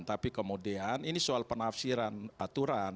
tapi kemudian ini soal penafsiran aturan